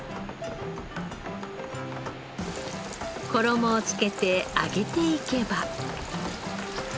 衣をつけて揚げていけば。